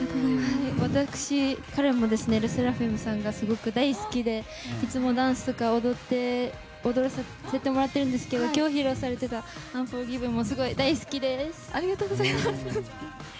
私、かれんもＬＥＳＳＥＲＡＦＩＭさんがすごく大好きでいつもダンスとか踊らせてもらっているんですけど今日、披露されてた「ＵＮＦＯＲＧＩＶＥＮ」もすごい大好きです。